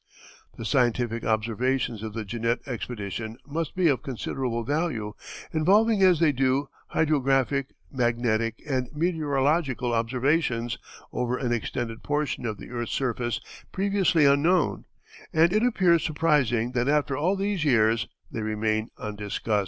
The scientific observations of the Jeannette expedition must be of considerable value, involving as they do hydrographic, magnetic, and meteorological observations over an extended portion of the earth's surface previously unknown, and it appears surprising that after all these years they remain undiscussed.